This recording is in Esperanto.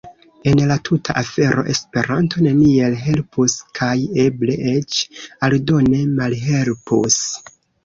En la tuta afero Esperanto neniel helpus kaj eble eĉ aldone malhelpus.